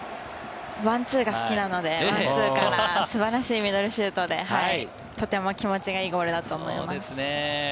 ワンツーが好きなので、ワンツーから素晴らしいミドルシュートで、とても気持ちがいいゴールだと思います。